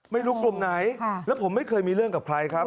ไม่รู้กลุ่มไหนแล้วผมไม่เคยมีเรื่องกับใครครับ